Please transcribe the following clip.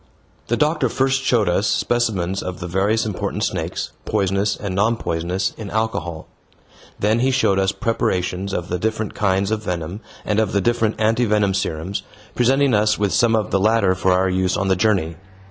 The doctor first showed us specimens of the various important snakes, poisonous and non poisonous, in alcohol. Then he showed us preparations of the different kinds of venom and of the different anti venom serums, presenting us with some of the latter for our use on the journey.